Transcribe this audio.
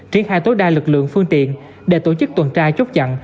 triển khai tối đa lực lượng phương tiện để tổ chức tuần tra chốt chặn